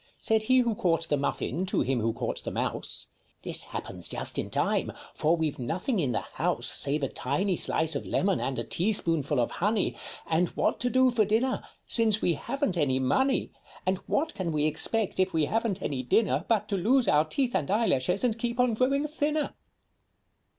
Said he who caught the Muffin to him who caught the Mouse, â " This happens just in time ! For we 've nothing in the house, Save a tiny slice of lemon and a teaspoonful of honey, And what to do for dinner â since we have n't any money? And what can we expect if we have n't any dinner, But to lose our teeth and eyelashes and keep on growing thinner?